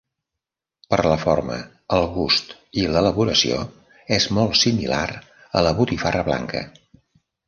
Per la forma, el gust i l’elaboració, és molt similar a la botifarra blanca.